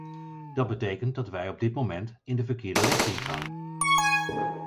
Dat betekent dat wij op dit moment in de verkeerde richting gaan.